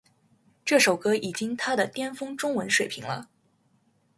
这首歌已经她的巅峰中文水平了